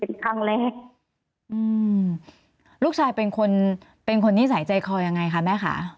เป็นครั้งแรกอืมลูกชายเป็นคนเป็นคนนิสัยใจคอยังไงคะแม่ค่ะ